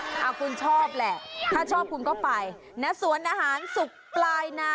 ใช่ผมชอบมากกุ้งโคโยตี้